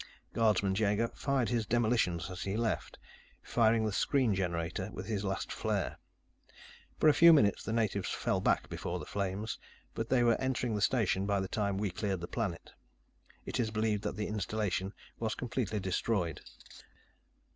Guardsman Jaeger fired his demolitions as he left, firing the screen generator with his last flare. For a few minutes, the natives fell back before the flames, but they were entering the station by the time we cleared the planet. It is believed that the installation was completely destroyed.